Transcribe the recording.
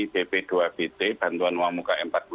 bp dua pt bantuan uang